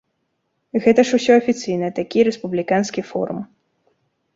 Гэта ж усё афіцыйна, такі рэспубліканскі форум.